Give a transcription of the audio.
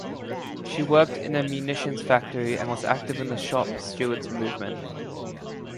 She worked in a munitions factory and was active in the shop stewards movement.